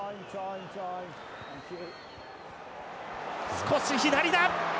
少し左だ。